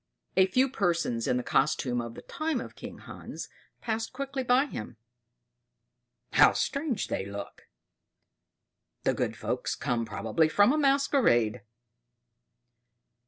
A few persons in the costume of the time of King Hans passed quickly by him. "How strange they look! The good folks come probably from a masquerade!"